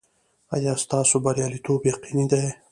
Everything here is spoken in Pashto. ایا ستاسو بریالیتوب یقیني دی؟